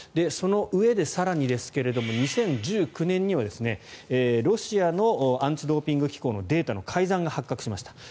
そのうえで、更にですが２０１９年にはロシアのアンチ・ドーピング機構のデータの改ざんが発覚しました。